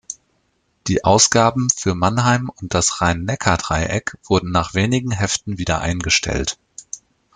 Die Ausgaben für Mannheim und das Rhein-Neckar-Dreieck wurden nach wenigen Heften wieder eingestellt.